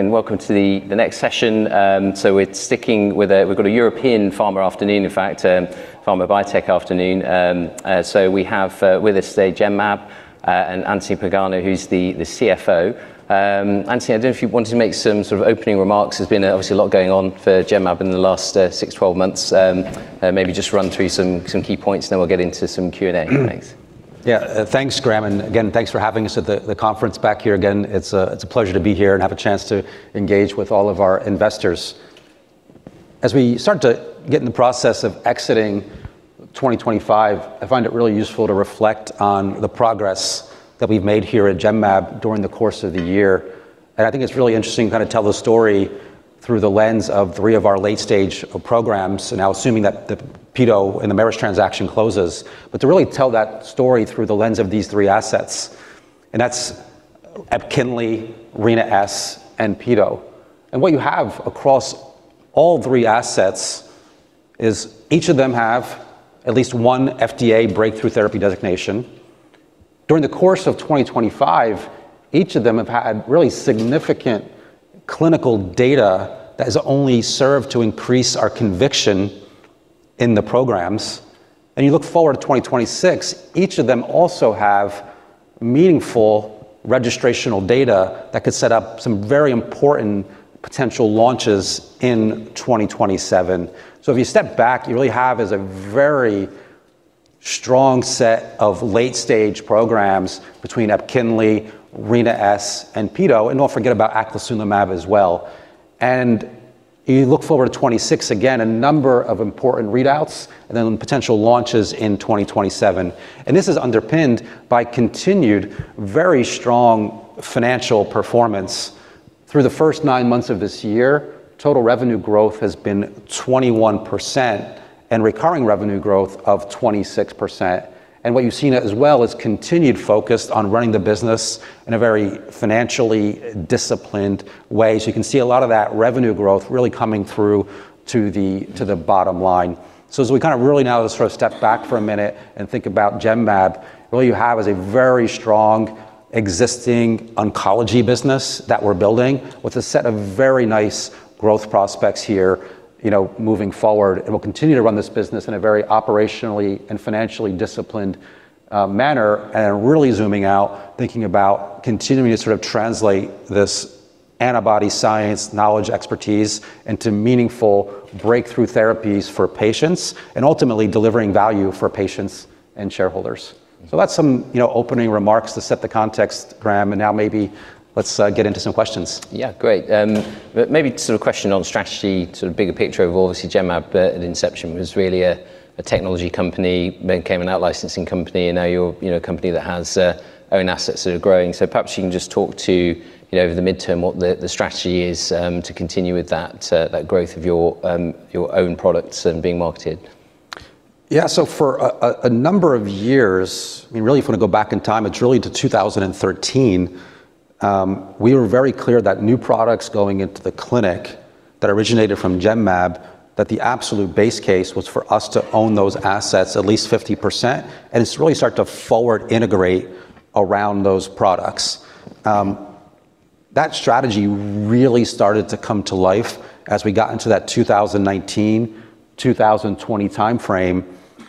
Welcome to the next session. So we're sticking with—we've got a European pharma afternoon, in fact, pharma biotech afternoon. So we have with us today Genmab and Anthony Pagano, who's the CFO. Anthony, I don't know if you wanted to make some sort of opening remarks. There's been obviously a lot going on for Genmab in the last 6-12 months. Maybe just run through some key points, and then we'll get into some Q&A. Thanks. Yeah, thanks, Graham. And again, thanks for having us at the conference back here again. It's a pleasure to be here and have a chance to engage with all of our investors. As we start to get in the process of exiting 2025, I find it really useful to reflect on the progress that we've made here at Genmab during the course of the year. And I think it's really interesting to kind of tell the story through the lens of three of our late-stage programs, now assuming that the PETO and the Merus transaction closes, but to really tell that story through the lens of these three assets. And that's Epkinly, RENA-S, and PETO. And what you have across all three assets is each of them have at least one FDA breakthrough therapy designation. During the course of 2025, each of them have had really significant clinical data that has only served to increase our conviction in the programs. And you look forward to 2026, each of them also have meaningful registrational data that could set up some very important potential launches in 2027. So if you step back, you really have a very strong set of late-stage programs between Epkinly, RENA-S, and Peto. And don't forget about Aclasunamab as well. And you look forward to 2026 again, a number of important readouts and then potential launches in 2027. And this is underpinned by continued very strong financial performance. Through the first nine months of this year, total revenue growth has been 21% and recurring revenue growth of 26%. And what you've seen as well is continued focus on running the business in a very financially disciplined way. So you can see a lot of that revenue growth really coming through to the bottom line. So as we kind of really now sort of step back for a minute and think about Genmab, what you have is a very strong existing oncology business that we're building with a set of very nice growth prospects here moving forward. And we'll continue to run this business in a very operationally and financially disciplined manner and really zooming out, thinking about continuing to sort of translate this antibody science knowledge expertise into meaningful breakthrough therapies for patients and ultimately delivering value for patients and shareholders. So that's some opening remarks to set the context, Graham. And now maybe let's get into some questions. Yeah, great. Maybe sort of a question on strategy, sort of bigger picture of obviously Genmab at inception was really a technology company, then came an out-licensing company, and now you're a company that has own assets that are growing. So perhaps you can just talk to, over the midterm, what the strategy is to continue with that growth of your own products and being marketed. Yeah, so for a number of years, I mean, really, if you want to go back in time, it's really to 2013, we were very clear that new products going into the clinic that originated from Genmab, that the absolute base case was for us to own those assets at least 50% and to really start to forward integrate around those products. That strategy really started to come to life as we got into that 2019-2020 timeframe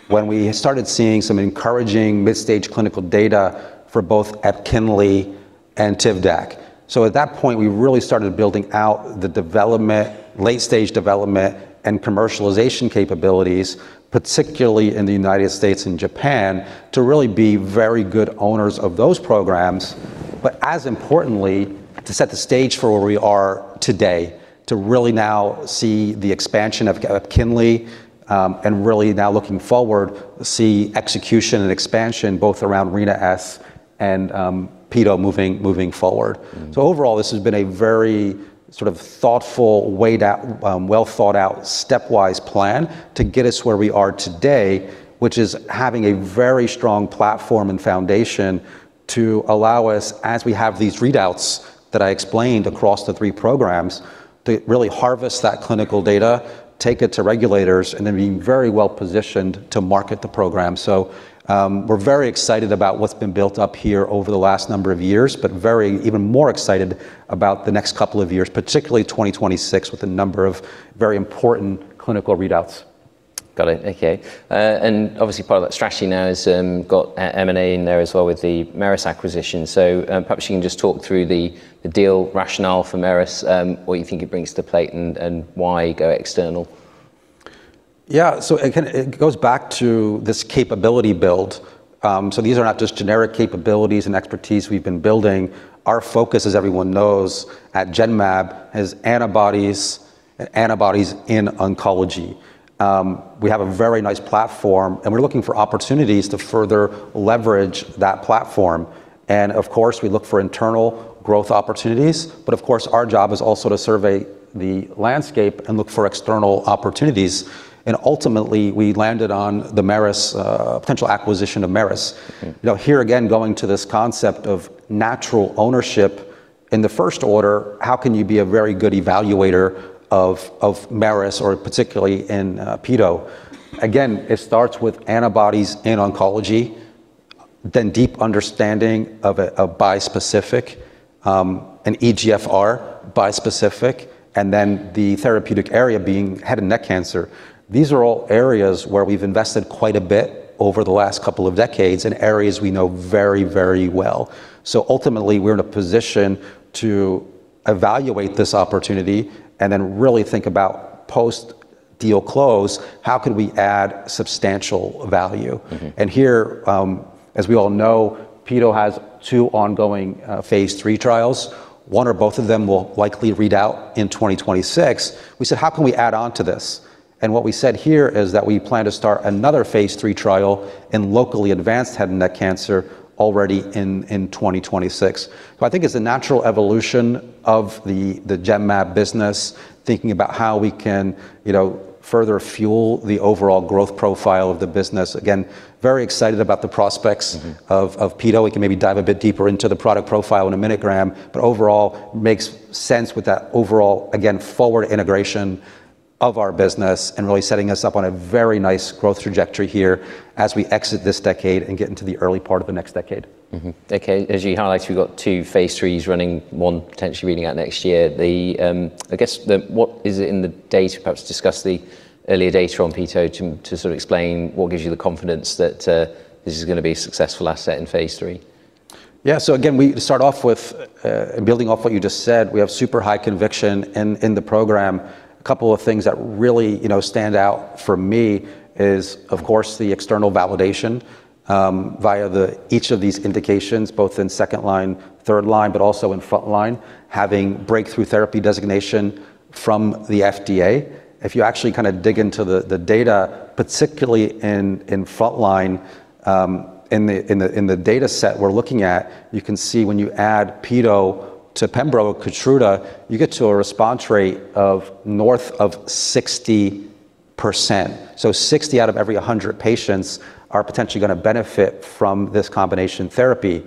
when we started seeing some encouraging mid-stage clinical data for both Epkinly and Tivdac. So at that point, we really started building out the development, late-stage development, and commercialization capabilities, particularly in the United States and Japan, to really be very good owners of those programs. But as importantly, to set the stage for where we are today, to really now see the expansion of Epkinly and really now looking forward, see execution and expansion both around RENA-S and Peto moving forward. So overall, this has been a very sort of thoughtful, well-thought-out stepwise plan to get us where we are today, which is having a very strong platform and foundation to allow us, as we have these readouts that I explained across the three programs, to really harvest that clinical data, take it to regulators, and then be very well positioned to market the program. So we're very excited about what's been built up here over the last number of years, but even more excited about the next couple of years, particularly 2026, with a number of very important clinical readouts. Got it. Okay. And obviously, part of that strategy now has got M&A in there as well with the Merus acquisition. So perhaps you can just talk through the deal rationale for Merus, what you think it brings to the plate and why go external. Yeah, so again, it goes back to this capability build. So these are not just generic capabilities and expertise we've been building. Our focus, as everyone knows at Genmab, is antibodies and antibodies in oncology. We have a very nice platform, and we're looking for opportunities to further leverage that platform. And of course, we look for internal growth opportunities. But of course, our job is also to survey the landscape and look for external opportunities. And ultimately, we landed on the Merus potential acquisition of Merus. Here again, going to this concept of natural ownership in the first order, how can you be a very good evaluator of Merus or particularly in PETO? Again, it starts with antibodies in oncology, then deep understanding of a bispecific, an EGFR bispecific, and then the therapeutic area being head and neck cancer. These are all areas where we've invested quite a bit over the last couple of decades in areas we know very, very well. So ultimately, we're in a position to evaluate this opportunity and then really think about post-deal close, how could we add substantial value? And here, as we all know, Peto has two ongoing phase 3 trials. One or both of them will likely read out in 2026. We said, how can we add on to this? And what we said here is that we plan to start another phase 3 trial in locally advanced head and neck cancer already in 2026. So I think it's a natural evolution of the Genmab business, thinking about how we can further fuel the overall growth profile of the business. Again, very excited about the prospects of Peto. We can maybe dive a bit deeper into the product profile in a minute, Graham. But overall, it makes sense with that overall, again, forward integration of our business and really setting us up on a very nice growth trajectory here as we exit this decade and get into the early part of the next decade. Okay. As you highlight, we've got two phase 3s running, one potentially reading out next year. I guess what is it in the data perhaps to discuss the earlier data on Peto to sort of explain what gives you the confidence that this is going to be a successful asset in phase 3? Yeah, so again, we start off with building off what you just said. We have super high conviction in the program. A couple of things that really stand out for me is, of course, the external validation via each of these indications, both in second line, third line, but also in front line, having breakthrough therapy designation from the FDA. If you actually kind of dig into the data, particularly in front line, in the data set we're looking at, you can see when you add Peto to Pembro and Keytruda, you get to a response rate of north of 60%. So 60 out of every 100 patients are potentially going to benefit from this combination therapy.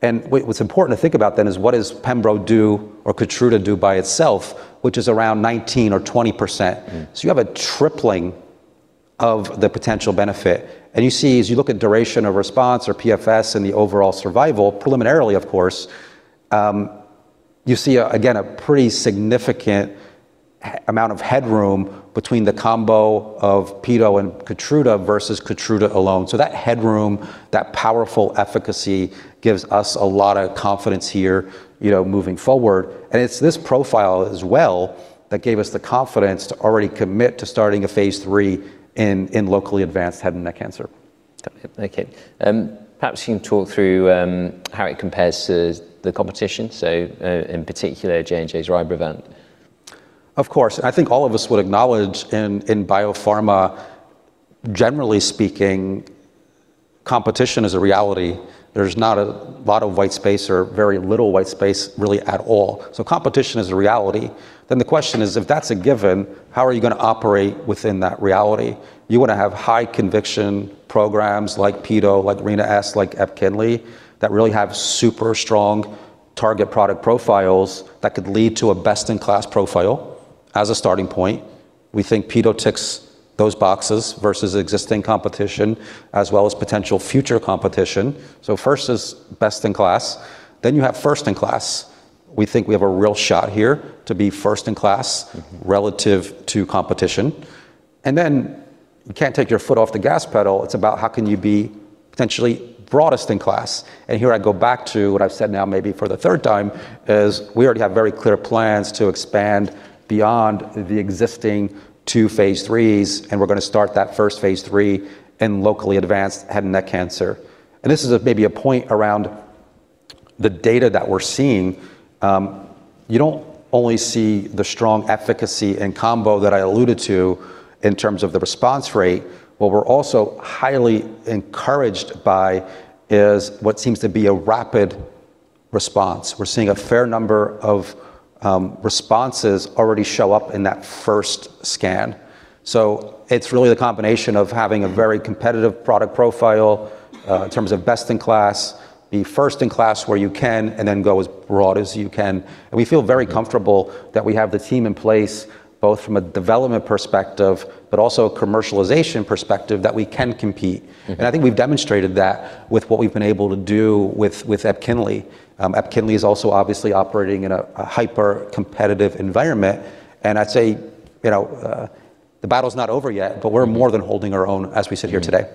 And what's important to think about then is what does Pembro do or Keytruda do by itself, which is around 19% or 20%. So you have a tripling of the potential benefit. You see, as you look at duration of response or PFS and the overall survival, preliminarily, of course, you see, again, a pretty significant amount of headroom between the combo of Peto and Keytruda versus Keytruda alone. So that headroom, that powerful efficacy gives us a lot of confidence here moving forward. It's this profile as well that gave us the confidence to already commit to starting a phase 3 in locally advanced head and neck cancer. Okay. Perhaps you can talk through how it compares to the competition, so in particular, J&J's Rybrevant. Of course. I think all of us would acknowledge in biopharma, generally speaking, competition is a reality. There's not a lot of white space or very little white space really at all. So competition is a reality. Then the question is, if that's a given, how are you going to operate within that reality? You want to have high conviction programs like PETO, like RENA-S, like Epkinly, that really have super strong target product profiles that could lead to a best-in-class profile as a starting point. We think PETO ticks those boxes versus existing competition as well as potential future competition, so first is best-in-class, then you have first-in-class. We think we have a real shot here to be first-in-class relative to competition, and then you can't take your foot off the gas pedal. It's about how can you be potentially broadest in class. Here I go back to what I've said now maybe for the third time is we already have very clear plans to expand beyond the existing two phase threes, and we're going to start that first phase three in locally advanced head and neck cancer. This is maybe a point around the data that we're seeing. You don't only see the strong efficacy and combo that I alluded to in terms of the response rate. What we're also highly encouraged by is what seems to be a rapid response. We're seeing a fair number of responses already show up in that first scan. It's really the combination of having a very competitive product profile in terms of best-in-class, be first-in-class where you can, and then go as broad as you can. And we feel very comfortable that we have the team in place both from a development perspective, but also a commercialization perspective that we can compete. And I think we've demonstrated that with what we've been able to do with Epkinly. Epkinly is also obviously operating in a hyper-competitive environment. And I'd say the battle's not over yet, but we're more than holding our own as we sit here today.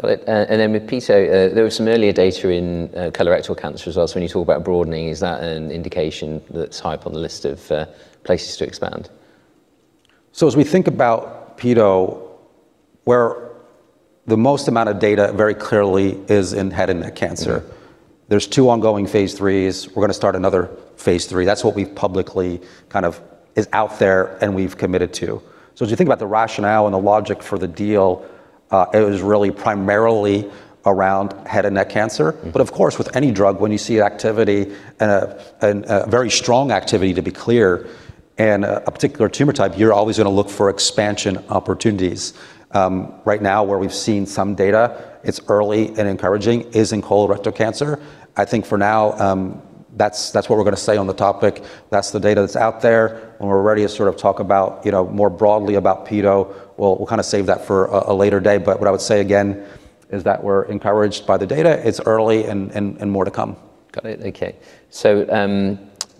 Got it. And then with Peto, there was some earlier data in colorectal cancer as well. So when you talk about broadening, is that an indication that's high up on the list of places to expand? As we think about PETO, where the most amount of data very clearly is in head and neck cancer, there's two ongoing phase threes. We're going to start another phase three. That's what we've publicly kind of is out there and we've committed to. As you think about the rationale and the logic for the deal, it was really primarily around head and neck cancer. Of course, with any drug, when you see activity and a very strong activity, to be clear, and a particular tumor type, you're always going to look for expansion opportunities. Right now, where we've seen some data, it's early and encouraging is in colorectal cancer. I think for now, that's what we're going to say on the topic. That's the data that's out there. When we're ready to sort of talk about more broadly about Peto, we'll kind of save that for a later day. But what I would say again is that we're encouraged by the data. It's early and more to come. Got it. Okay. So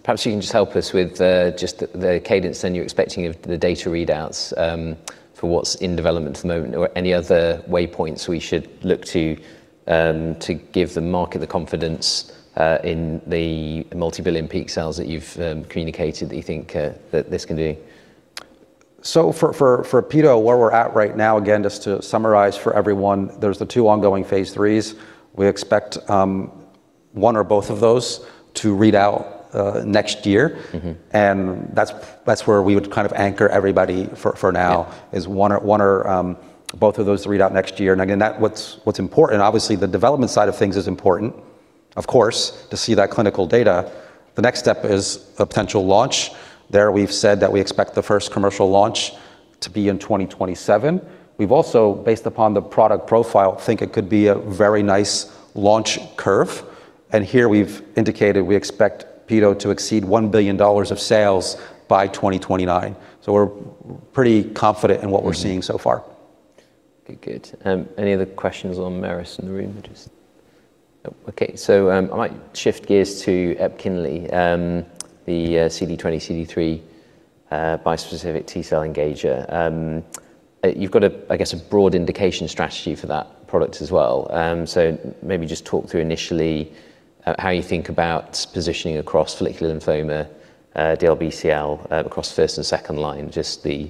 perhaps you can just help us with just the cadence then you're expecting of the data readouts for what's in development at the moment or any other waypoints we should look to to give the market the confidence in the multibillion peak sales that you've communicated that you think that this can do. So for Peto, where we're at right now, again, just to summarize for everyone, there's the two ongoing phase 3s. We expect one or both of those to read out next year. And that's where we would kind of anchor everybody for now is one or both of those to read out next year. And again, what's important, obviously, the development side of things is important, of course, to see that clinical data. The next step is a potential launch. There we've said that we expect the first commercial launch to be in 2027. We've also, based upon the product profile, think it could be a very nice launch curve. And here we've indicated we expect Peto to exceed $1 billion of sales by 2029. So we're pretty confident in what we're seeing so far. Okay. Good. Any other questions on Merus in the room? Okay. So I might shift gears to Epkinly, the CD20, CD3 bispecific T-cell engager. You've got, I guess, a broad indication strategy for that product as well. So maybe just talk through initially how you think about positioning across follicular lymphoma, DLBCL, across first and second line, just the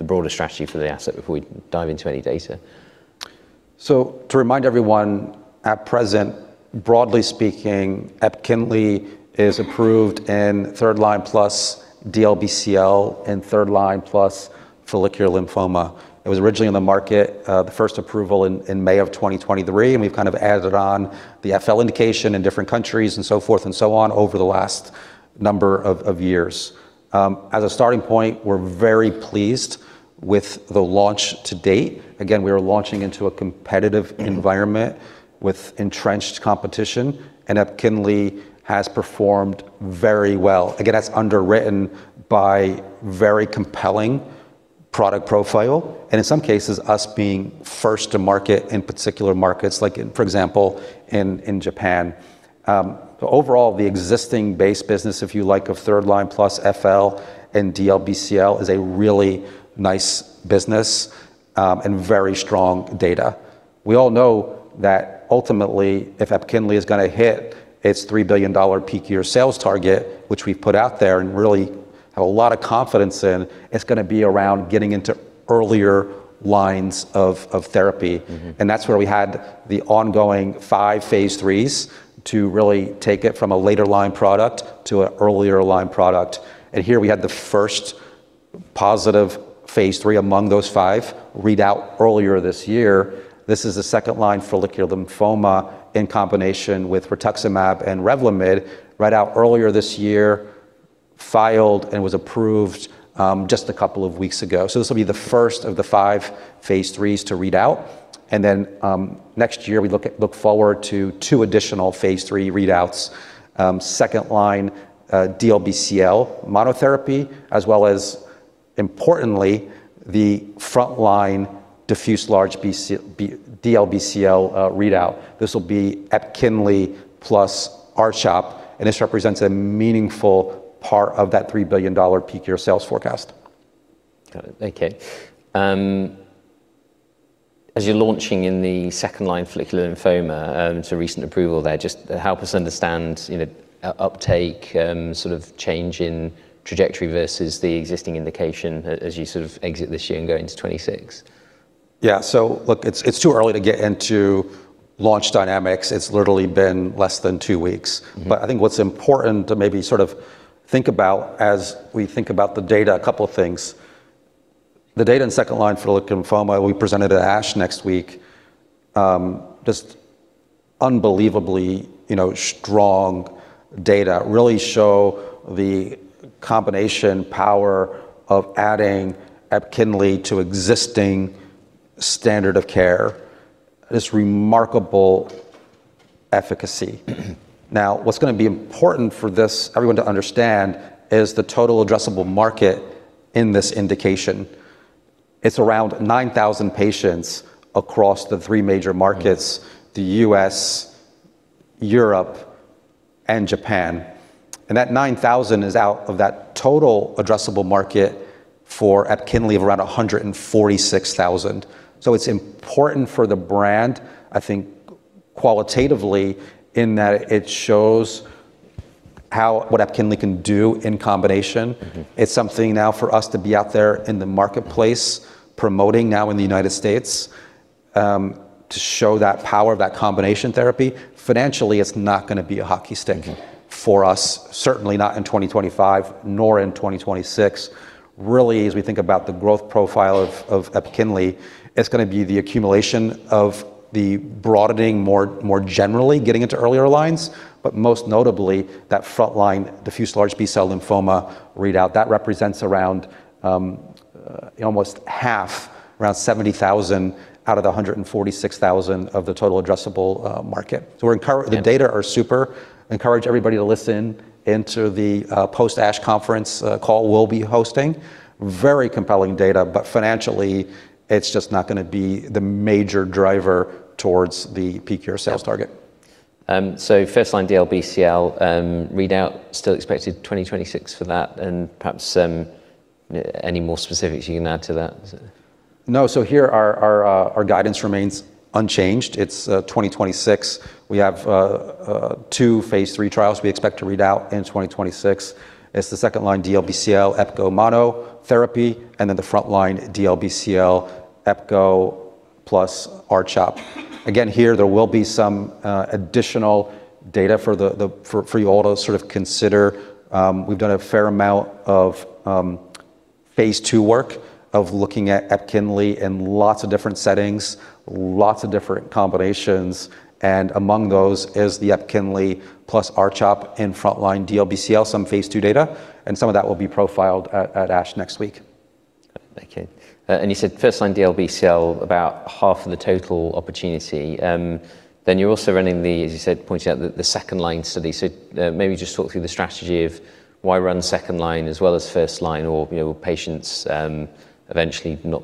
broader strategy for the asset before we dive into any data. To remind everyone, at present, broadly speaking, Epkinly is approved in third line plus DLBCL and third line plus follicular lymphoma. It was originally on the market, the first approval in May of 2023. We've kind of added on the FL indication in different countries and so forth and so on over the last number of years. As a starting point, we're very pleased with the launch to date. Again, we are launching into a competitive environment with entrenched competition. Epkinly has performed very well. Again, that's underwritten by very compelling product profile. In some cases, us being first to market in particular markets, like for example, in Japan. Overall, the existing base business, if you like, of third line plus FL and DLBCL is a really nice business and very strong data. We all know that ultimately, if Epkinly is going to hit its $3 billion peak year sales target, which we've put out there and really have a lot of confidence in, it's going to be around getting into earlier lines of therapy. And that's where we had the ongoing five phase threes to really take it from a later line product to an earlier line product. And here we had the first positive phase three among those five read out earlier this year. This is the second line follicular lymphoma in combination with rituximab and Revlimid read out earlier this year, filed and was approved just a couple of weeks ago. So this will be the first of the five phase threes to read out. And then next year, we look forward to two additional phase three readouts, second line DLBCL monotherapy, as well as, importantly, the front line diffuse large DLBCL readout. This will be Epkinly plus R-CHOP. And this represents a meaningful part of that $3 billion peak year sales forecast. Got it. Okay. As you're launching in the second line follicular lymphoma, it's a recent approval there. Just help us understand uptake, sort of change in trajectory versus the existing indication as you sort of exit this year and go into 2026. Yeah, so look, it's too early to get into launch dynamics. It's literally been less than two weeks, but I think what's important to maybe sort of think about as we think about the data, a couple of things. The data in second line follicular lymphoma we presented at ASH next week, just unbelievably strong data really show the combination power of adding Epkinly to existing standard of care, this remarkable efficacy. Now, what's going to be important for everyone to understand is the total addressable market in this indication. It's around 9,000 patients across the three major markets, the U.S., Europe, and Japan, and that 9,000 is out of that total addressable market for Epkinly of around 146,000, so it's important for the brand, I think, qualitatively in that it shows how what Epkinly can do in combination. It's something now for us to be out there in the marketplace promoting now in the United States to show that power of that combination therapy. Financially, it's not going to be a hockey stick for us, certainly not in 2025, nor in 2026. Really, as we think about the growth profile of EPKINLY, it's going to be the accumulation of the broadening more generally, getting into earlier lines, but most notably that front line diffuse large B-cell lymphoma readout. That represents around almost half, around 70,000 out of the 146,000 of the total addressable market. So the data are super. Encourage everybody to listen into the post-ASH conference call we'll be hosting. Very compelling data, but financially, it's just not going to be the major driver towards the peak year sales target. So first line DLBCL readout still expected 2026 for that. And perhaps any more specifics you can add to that? No. So here our guidance remains unchanged. It's 2026. We have two phase three trials we expect to read out in 2026. It's the second-line DLBCL, Epkinly monotherapy, and then the front-line DLBCL, Epkinly plus R-CHOP. Again, here there will be some additional data for you all to sort of consider. We've done a fair amount of phase 2 work of looking at Epkinly in lots of different settings, lots of different combinations. And among those is the Epkinly plus R-CHOP and front-line DLBCL, some phase 2 data. And some of that will be profiled at ASH next week. Okay. And you said first line DLBCL, about half of the total opportunity. Then you're also running the, as you said, pointing out the second line study. So maybe just talk through the strategy of why run second line as well as first line, or patients eventually not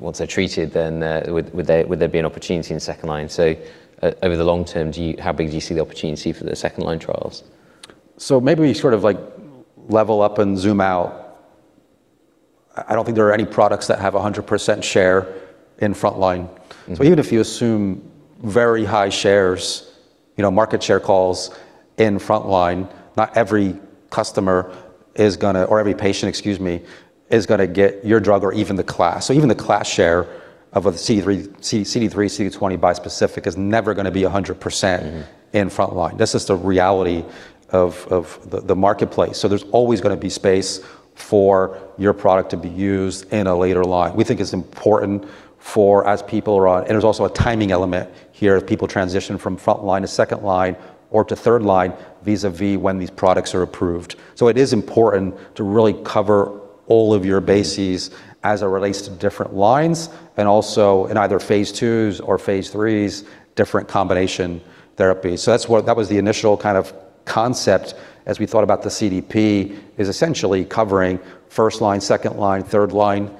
once they're treated, then would there be an opportunity in second line? So over the long term, how big do you see the opportunity for the second line trials? So maybe we sort of level up and zoom out. I don't think there are any products that have 100% share in front line. So even if you assume very high shares, market share goals in front line, not every customer is going to, or every patient, excuse me, is going to get your drug or even the class. So even the class share of a CD3, CD20 bispecific is never going to be 100% in front line. That's just the reality of the marketplace. So there's always going to be space for your product to be used in a later line. We think it's important for as people are on, and there's also a timing element here of people transition from front line to second line or to third line vis-à-vis when these products are approved. It is important to really cover all of your bases as it relates to different lines and also in either phase twos or phase threes, different combination therapies, so that was the initial kind of concept as we thought about the CDP is essentially covering first line, second line, third line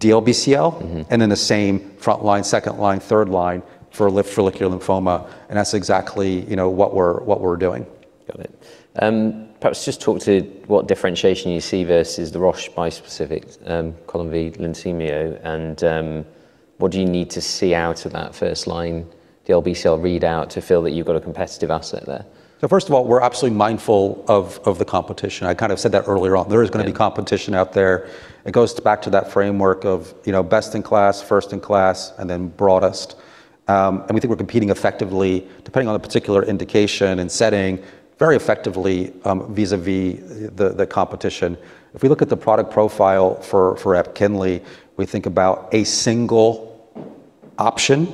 DLBCL, and then the same front line, second line, third line for follicular lymphoma, and that's exactly what we're doing. Got it. Perhaps just talk to what differentiation you see versus the Roche bispecific, Columvi, Lunsumio, and what do you need to see out of that first line DLBCL readout to feel that you've got a competitive asset there? So first of all, we're absolutely mindful of the competition. I kind of said that earlier on. There is going to be competition out there. It goes back to that framework of best in class, first in class, and then broadest. And we think we're competing effectively depending on the particular indication and setting very effectively vis-à-vis the competition. If we look at the product profile for Epkinly, we think about a single option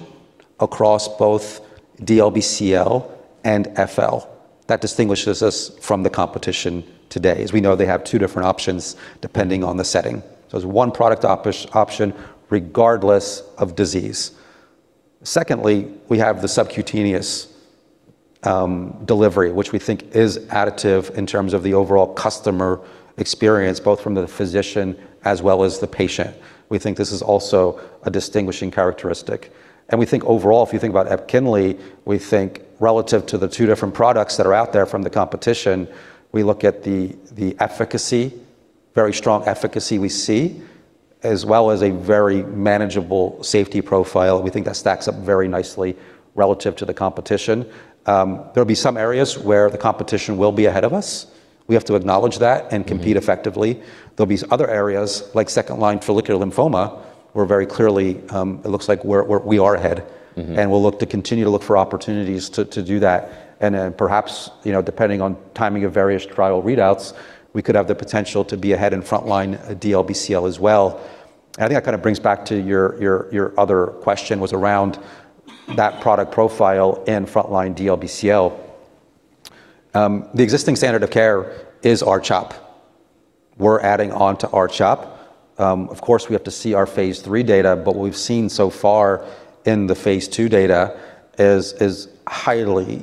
across both DLBCL and FL. That distinguishes us from the competition today as we know they have two different options depending on the setting. So there's one product option regardless of disease. Secondly, we have the subcutaneous delivery, which we think is additive in terms of the overall customer experience, both from the physician as well as the patient. We think this is also a distinguishing characteristic. We think overall, if you think about Epkinly, we think relative to the two different products that are out there from the competition, we look at the efficacy, very strong efficacy we see, as well as a very manageable safety profile. We think that stacks up very nicely relative to the competition. There will be some areas where the competition will be ahead of us. We have to acknowledge that and compete effectively. There'll be other areas like second line follicular lymphoma where very clearly it looks like we are ahead. And we'll look to continue to look for opportunities to do that. And then perhaps depending on timing of various trial readouts, we could have the potential to be ahead in front line DLBCL as well. And I think that kind of brings back to your other question was around that product profile and front line DLBCL. The existing standard of care is R-CHOP. We're adding on to R-CHOP. Of course, we have to see our phase three data, but what we've seen so far in the phase two data is highly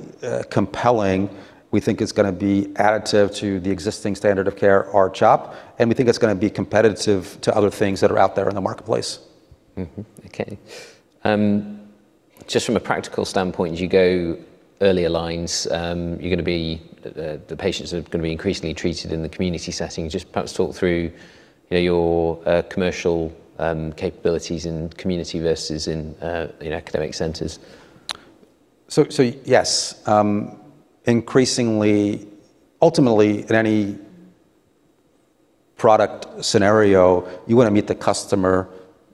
compelling. We think it's going to be additive to the existing standard of care R-CHOP, and we think it's going to be competitive to other things that are out there in the marketplace. Okay. Just from a practical standpoint, as you go earlier lines, you're going to be the patients are going to be increasingly treated in the community setting. Just perhaps talk through your commercial capabilities in community versus in academic centers. So yes, increasingly, ultimately in any product scenario, you want to meet the customer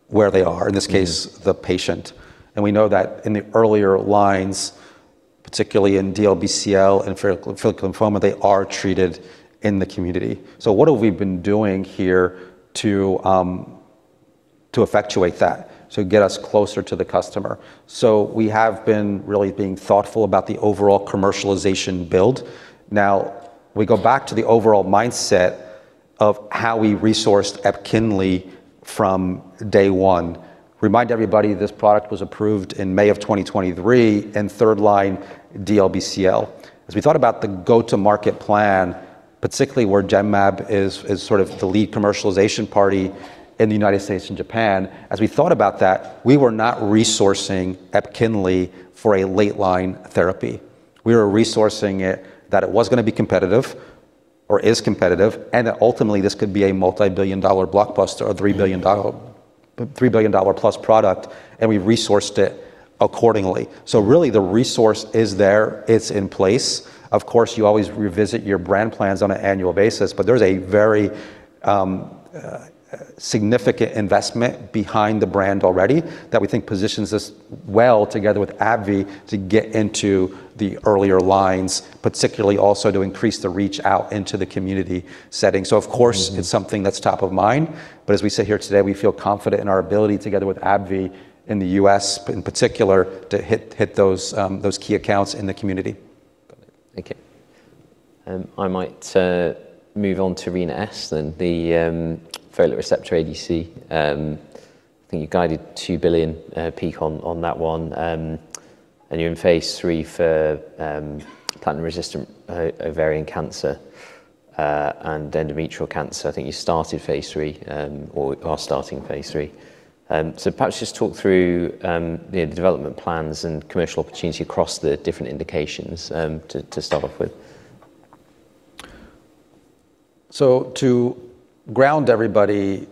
where they are, in this case, the patient. And we know that in the earlier lines, particularly in DLBCL and follicular lymphoma, they are treated in the community. So what have we been doing here to effectuate that, to get us closer to the customer? So we have been really being thoughtful about the overall commercialization build. Now, we go back to the overall mindset of how we resourced Epkinly from day one. Remind everybody this product was approved in May of 2023 in third line DLBCL. As we thought about the go-to-market plan, particularly where Genmab is sort of the lead commercialization party in the United States and Japan, as we thought about that, we were not resourcing Epkinly for a late line therapy. We were resourcing it that it was going to be competitive or is competitive, and that ultimately this could be a multi-billion-dollar blockbuster or $3 billion-plus product. And we resourced it accordingly. So really the resource is there. It's in place. Of course, you always revisit your brand plans on an annual basis, but there's a very significant investment behind the brand already that we think positions us well together with AbbVie to get into the earlier lines, particularly also to increase the reach out into the community setting. So of course, it's something that's top of mind. But as we sit here today, we feel confident in our ability together with AbbVie in the U.S. in particular to hit those key accounts in the community. Okay. I might move on to RENA-S then, the folate receptor ADC. I think you guided $2 billion peak on that one. And you're in phase three for platinum-resistant ovarian cancer and endometrial cancer. I think you started phase 3 or are starting phase three. So perhaps just talk through the development plans and commercial opportunity across the different indications to start off with. To ground everybody,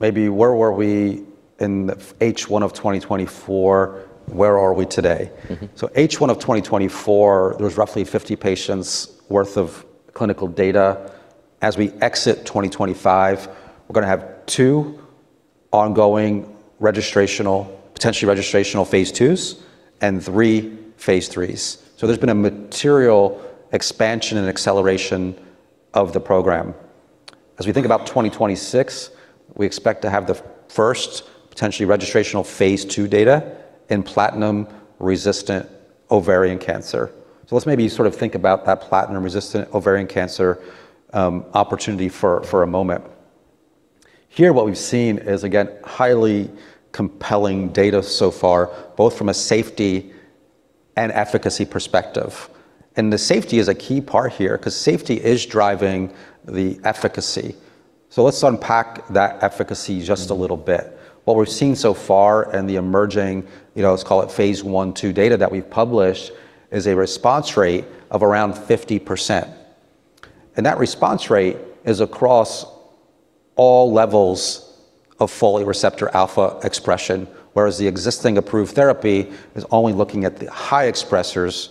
maybe where were we in H1 of 2024? Where are we today? In H1 of 2024, there was roughly 50 patients' worth of clinical data. As we exit 2025, we're going to have two ongoing potentially registrational phase twos and three phase threes. There's been a material expansion and acceleration of the program. As we think about 2026, we expect to have the first potentially registrational phase two data in platinum-resistant ovarian cancer. Let's maybe sort of think about that platinum-resistant ovarian cancer opportunity for a moment. Here what we've seen is, again, highly compelling data so far, both from a safety and efficacy perspective. The safety is a key part here because safety is driving the efficacy. Let's unpack that efficacy just a little bit. What we've seen so far and the emerging, let's call it phase one, two data that we've published is a response rate of around 50%. And that response rate is across all levels of folate receptor alpha expression, whereas the existing approved therapy is only looking at the high expressors,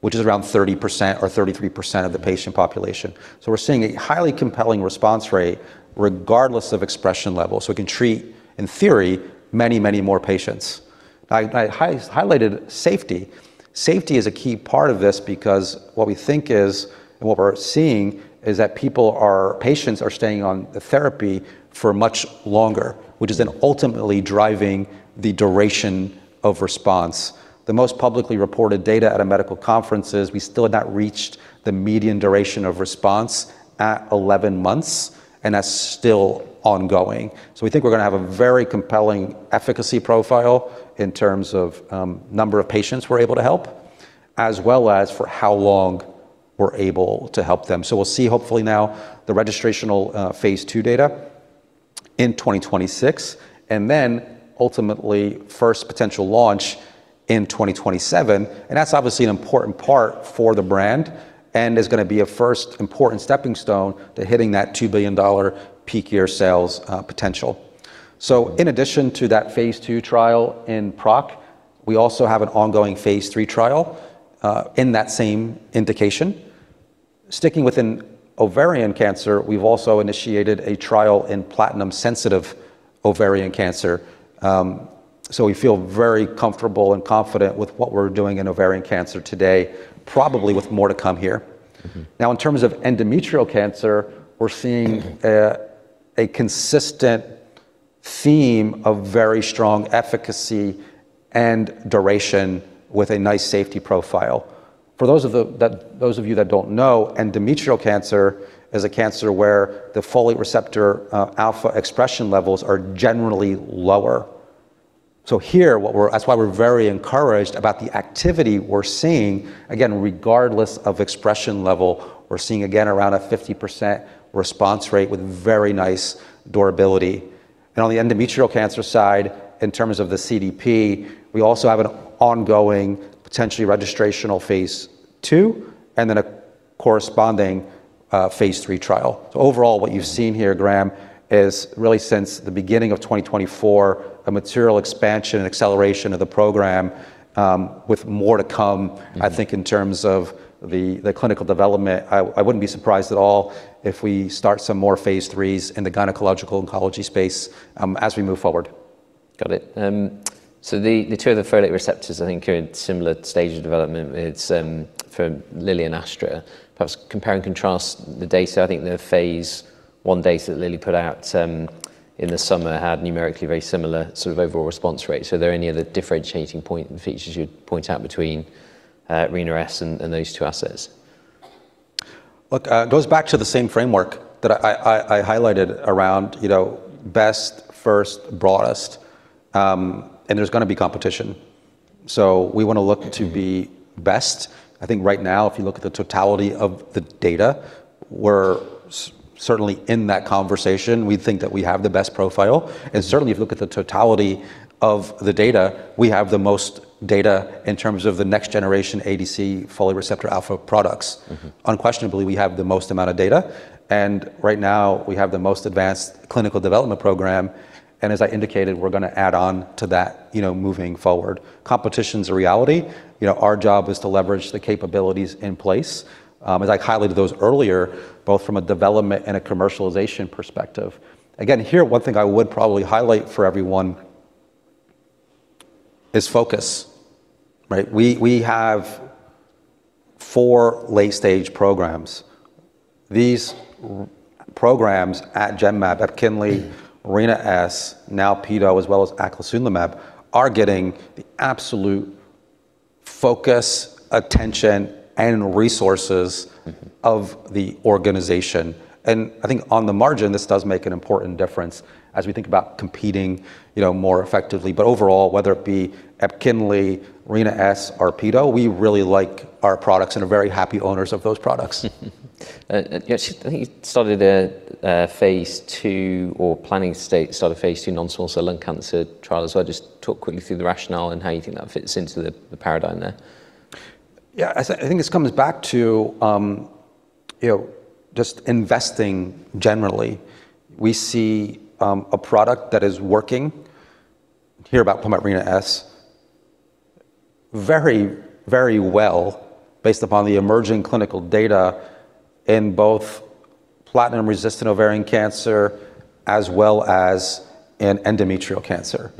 which is around 30% or 33% of the patient population. So we're seeing a highly compelling response rate regardless of expression level. So we can treat, in theory, many, many more patients. I highlighted safety. Safety is a key part of this because what we think is, and what we're seeing is that patients are staying on the therapy for much longer, which is then ultimately driving the duration of response. The most publicly reported data at a medical conference is we still have not reached the median duration of response at 11 months and that's still ongoing. We think we're going to have a very compelling efficacy profile in terms of number of patients we're able to help, as well as for how long we're able to help them, so we'll see hopefully now the registrational phase two data in 2026, and then ultimately first potential launch in 2027, and that's obviously an important part for the brand and is going to be a first important stepping stone to hitting that $2 billion peak year sales potential, so in addition to that phase two trial in PROC, we also have an ongoing phase three trial in that same indication. Sticking within ovarian cancer, we've also initiated a trial in platinum-sensitive ovarian cancer, so we feel very comfortable and confident with what we're doing in ovarian cancer today, probably with more to come here. Now, in terms of endometrial cancer, we're seeing a consistent theme of very strong efficacy and duration with a nice safety profile. For those of you that don't know, endometrial cancer is a cancer where the folate receptor alpha expression levels are generally lower. So here, that's why we're very encouraged about the activity we're seeing, again, regardless of expression level. We're seeing again around a 50% response rate with very nice durability. And on the endometrial cancer side, in terms of the CDP, we also have an ongoing potentially registrational phase two and then a corresponding phase three trial. So overall, what you've seen here, Graham, is really since the beginning of 2024, a material expansion and acceleration of the program with more to come, I think, in terms of the clinical development. I wouldn't be surprised at all if we start some more phase threes in the gynecological oncology space as we move forward. Got it. So the two of the folate receptors, I think, are in similar stage of development. It's for Lilly and Astra. Perhaps compare and contrast the data. I think the phase one data that Lilly put out in the summer had numerically very similar sort of overall response rate. So are there any other differentiating points and features you'd point out between RENA-S and those two assets? Look, it goes back to the same framework that I highlighted around best, first, broadest, and there's going to be competition. So we want to look to be best. I think right now, if you look at the totality of the data, we're certainly in that conversation. We think that we have the best profile. And certainly, if you look at the totality of the data, we have the most data in terms of the next generation ADC folate receptor alpha products. Unquestionably, we have the most amount of data. And right now, we have the most advanced clinical development program. And as I indicated, we're going to add on to that moving forward. Competition is a reality. Our job is to leverage the capabilities in place. As I highlighted those earlier, both from a development and a commercialization perspective. Again, here, one thing I would probably highlight for everyone is focus. We have four late-stage programs. These programs at Genmab, Epkinly, Rina-S, now Peto, as well as Aclasunamab, are getting the absolute focus, attention, and resources of the organization. And I think on the margin, this does make an important difference as we think about competing more effectively. But overall, whether it be Epkinly, Rina-S, or Peto, we really like our products and are very happy owners of those products. You started a phase two or planning to start a phase two non-small cell lung cancer trial as well. Just talk quickly through the rationale and how you think that fits into the paradigm there. Yeah, I think this comes back to just investing generally. We see a product that is working here about RENA-S very, very well based upon the emerging clinical data in both platinum-resistant ovarian cancer as well as in endometrial cancer.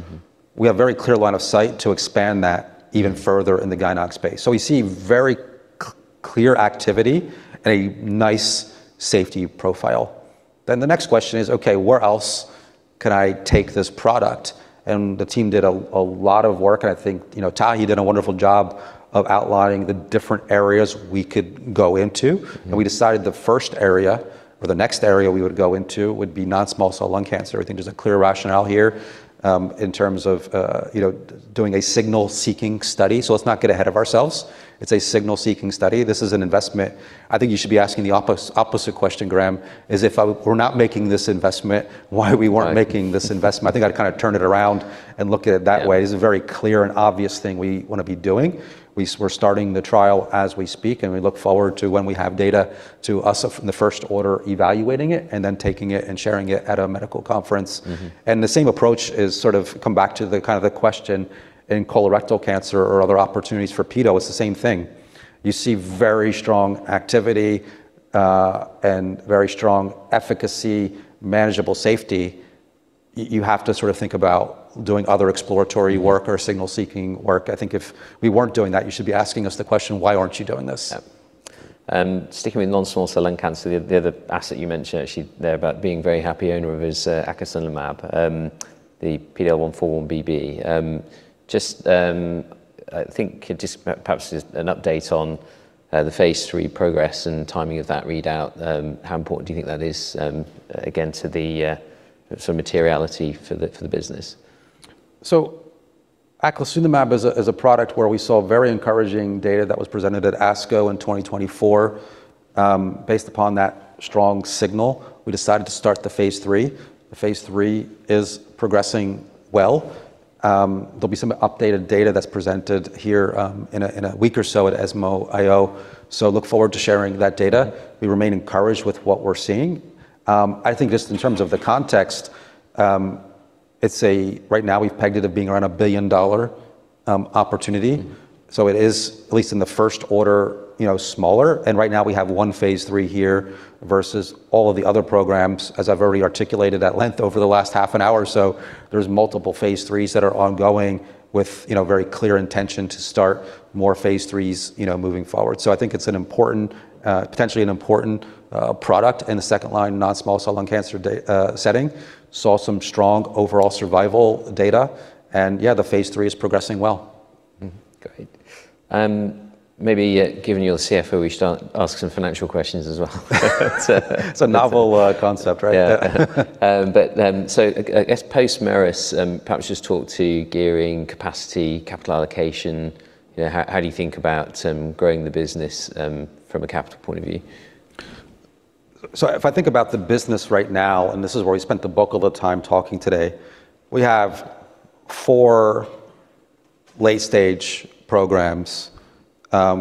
We have a very clear line of sight to expand that even further in the gynec space, so we see very clear activity and a nice safety profile, then the next question is, okay, where else can I take this product, and the team did a lot of work, and I think Tahi did a wonderful job of outlining the different areas we could go into, and we decided the first area or the next area we would go into would be non-small cell lung cancer. I think there's a clear rationale here in terms of doing a signal-seeking study, so let's not get ahead of ourselves. It's a signal-seeking study. This is an investment. I think you should be asking the opposite question, Graham: if we're not making this investment, why weren't we making this investment. I think I'd kind of turn it around and look at it that way. It's a very clear and obvious thing we want to be doing. We're starting the trial as we speak, and we look forward to when we have data to use in the first quarter evaluating it and then taking it and sharing it at a medical conference. And the same approach sort of comes back to the kind of question in colorectal cancer or other opportunities for Peto. It's the same thing. You see very strong activity and very strong efficacy, manageable safety. You have to sort of think about doing other exploratory work or signal-seeking work. I think if we weren't doing that, you should be asking us the question, why aren't you doing this? Sticking with non-small cell lung cancer, the other asset you mentioned actually there about being a very happy owner of his Aclasunamab, the PD-L1 4-1BB. Just I think just perhaps an update on the phase three progress and timing of that readout. How important do you think that is, again, to the sort of materiality for the business? Aclasunamab is a product where we saw very encouraging data that was presented at ASCO in 2024. Based upon that strong signal, we decided to start the phase three. The phase three is progressing well. There'll be some updated data that's presented here in a week or so at ESMO.io. So look forward to sharing that data. We remain encouraged with what we're seeing. I think just in terms of the context, right now we've pegged it at being around a $1 billion opportunity. So it is at least in the first order smaller. And right now we have one phase three here versus all of the other programs. As I've already articulated at length over the last half an hour or so, there's multiple phase threes that are ongoing with very clear intention to start more phase threes moving forward. I think it's potentially an important product in the second-line non-small cell lung cancer setting. Saw some strong overall survival data. Yeah, the phase three is progressing well. Great. Maybe given your CFO, we should ask some financial questions as well. It's a novel concept, right? Yeah. But so I guess post-Merus, perhaps just talk to gearing capacity, capital allocation. How do you think about growing the business from a capital point of view? So if I think about the business right now, and this is where we spent the bulk of the time talking today, we have four late-stage programs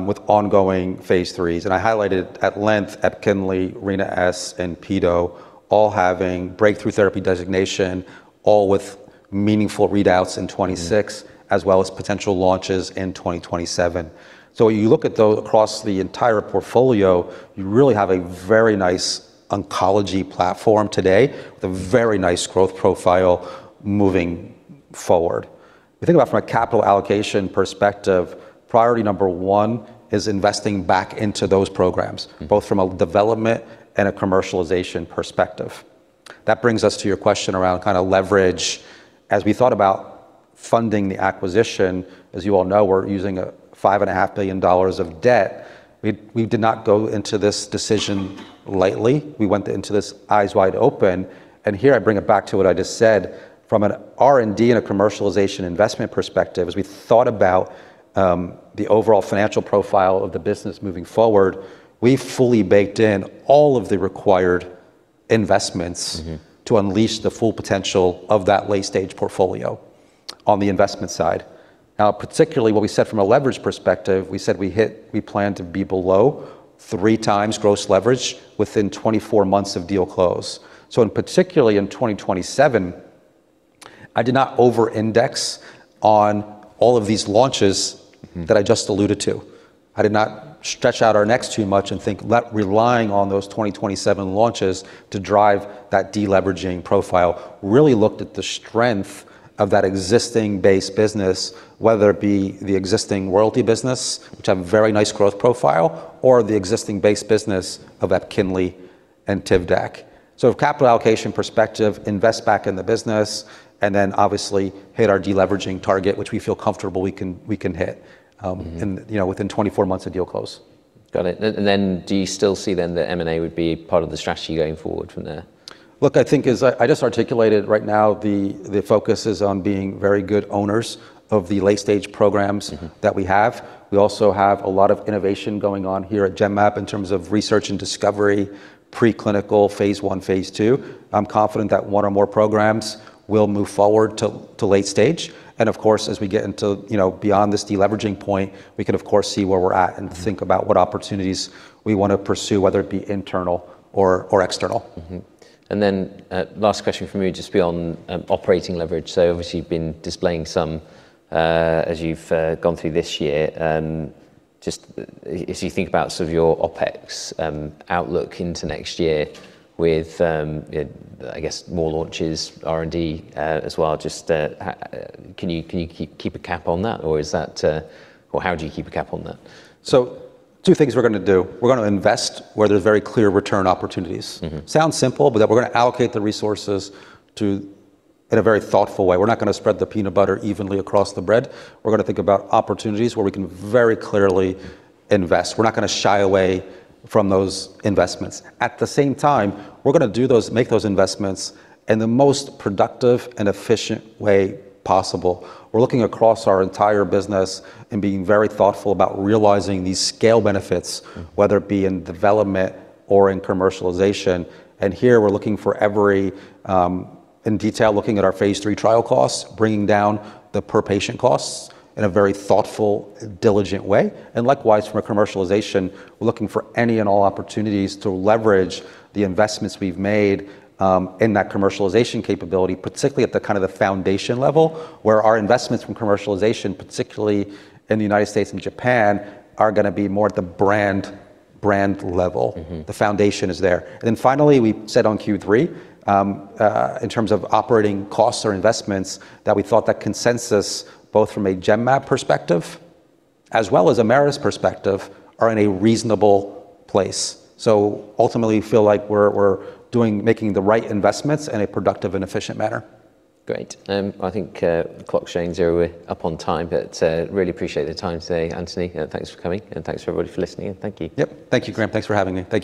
with ongoing phase threes. And I highlighted at length Epkinly, Rina-S, and Peto, all having breakthrough therapy designation, all with meaningful readouts in 2026, as well as potential launches in 2027. So when you look at those across the entire portfolio, you really have a very nice oncology platform today with a very nice growth profile moving forward. If you think about it from a capital allocation perspective, priority number one is investing back into those programs, both from a development and a commercialization perspective. That brings us to your question around kind of leverage. As we thought about funding the acquisition, as you all know, we're using a $5.5 billion of debt. We did not go into this decision lightly. We went into this eyes wide open. And here I bring it back to what I just said. From an R&D and a commercialization investment perspective, as we thought about the overall financial profile of the business moving forward, we fully baked in all of the required investments to unleash the full potential of that late-stage portfolio on the investment side. Now, particularly what we said from a leverage perspective, we said we plan to be below three times gross leverage within 24 months of deal close. So, in particular, in 2027, I did not over-index on all of these launches that I just alluded to. I did not stretch out our necks too much and think relying on those 2027 launches to drive that deleveraging profile. Really looked at the strength of that existing base business, whether it be the existing royalty business, which have a very nice growth profile, or the existing base business of Epkinly and Tivdac. So from a capital allocation perspective, invest back in the business, and then obviously hit our deleveraging target, which we feel comfortable we can hit within 24 months of deal close. Got it. And then do you still see then that M&A would be part of the strategy going forward from there? Look, I think as I just articulated, right now the focus is on being very good owners of the late-stage programs that we have. We also have a lot of innovation going on here at Genmab in terms of research and discovery, preclinical, phase one, phase two. I'm confident that one or more programs will move forward to late stage, and of course, as we get into beyond this deleveraging point, we can of course see where we're at and think about what opportunities we want to pursue, whether it be internal or external. And then, last question for me, just beyond operating leverage. So obviously you've been displaying some as you've gone through this year. Just as you think about sort of your OpEx outlook into next year with, I guess, more launches, R&D as well, just can you keep a cap on that or how do you keep a cap on that? So two things we're going to do. We're going to invest where there's very clear return opportunities. Sounds simple, but we're going to allocate the resources in a very thoughtful way. We're not going to spread the peanut butter evenly across the bread. We're going to think about opportunities where we can very clearly invest. We're not going to shy away from those investments. At the same time, we're going to make those investments in the most productive and efficient way possible. We're looking across our entire business and being very thoughtful about realizing these scale benefits, whether it be in development or in commercialization. And here we're looking everywhere in detail, looking at our phase three trial costs, bringing down the per patient costs in a very thoughtful, diligent way. And likewise, from a commercialization, we're looking for any and all opportunities to leverage the investments we've made in that commercialization capability, particularly at the kind of foundation level where our investments from commercialization, particularly in the United States and Japan, are going to be more at the brand level. The foundation is there. And then finally, we said on Q3 in terms of operating costs or investments that we thought that consensus, both from a Genmab perspective as well as a Merus perspective, are in a reasonable place. So ultimately, we feel like we're making the right investments in a productive and efficient manner. Great. I think clock's showing zero. We're up on time, but really appreciate the time today, Anthony. Thanks for coming and thanks for everybody for listening, and thank you. Yep. Thank you, Graham. Thanks for having me. Thank you.